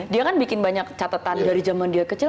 dia kan bikin banyak catatan dari zaman dia kecil